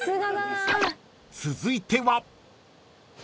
［続いては］